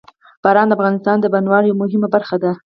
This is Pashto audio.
باران د افغانستان د بڼوالۍ یوه مهمه برخه ده.